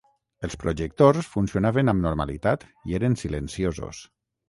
Els projectors funcionaven amb normalitat i eren silenciosos.